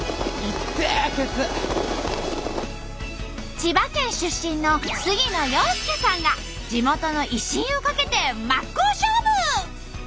千葉県出身の杉野遥亮さんが地元の威信を懸けて真っ向勝負！